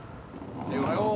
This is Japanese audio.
おはよう。